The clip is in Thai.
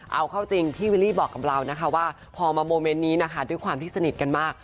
เอาเข้าจริงพี่วิลลี่บอกกับเรานะคะว่าพอมาโมเมนต์นี้นะคะด้วยความที่สนิทกันมาก